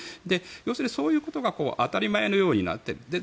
要するに、そういうことが当たり前のようになっている。